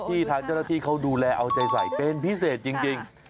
ทางเจ้าหน้าที่เขาดูแลเอาใจใส่เป็นพิเศษจริง